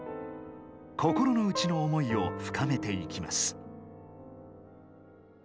心の内の思いを深めていきます。